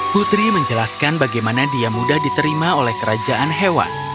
putri menjelaskan bagaimana dia mudah diterima oleh kerajaan hewan